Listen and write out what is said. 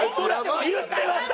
言ってました。